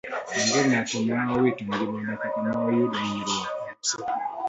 Onge ng'at ma owito ngimane kata ma oyudo inyruok e masirano.